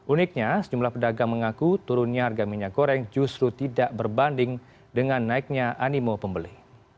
uniknya sejumlah pedagang mengaku turunnya harga minyak goreng justru tidak berbanding dengan naiknya animo pembeli